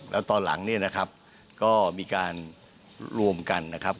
แล้วตอนหลังเนี่ยนะครับก็มีการรวมกันนะครับ